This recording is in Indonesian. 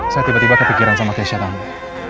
saya tiba tiba kepikiran sama keisha tadi